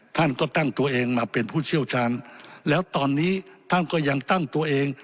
ท่านก็ตั้งตัวเองมาเป็นผู้เชี่ยวชาญแล้วตอนนี้ท่านก็ยังตั้งตัวเอง